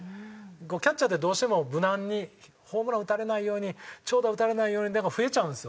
キャッチャーってどうしても無難にホームラン打たれないように長打打たれないように増えちゃうんですよ